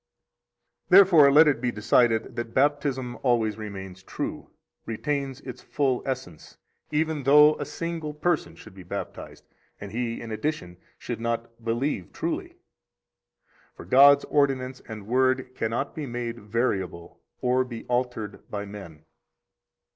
60 Therefore let it be decided that Baptism always remains true, retains its full essence, even though a single person should be baptized, and he, in addition, should not believe truly. For God's ordinance and Word cannot be made variable or be altered by men.